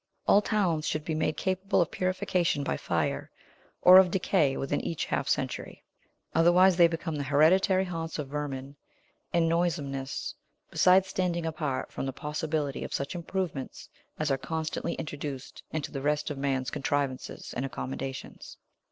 All towns should be made capable of purification by fire, or of decay, within each half century. Otherwise, they become the hereditary haunts of vermin and noisomeness, besides standing apart from the possibility of such improvements as are constantly introduced into the rest of man's contrivances and accommodations.